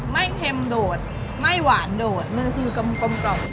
เค็มโดดไม่หวานโดดมันคือกลมกล่อม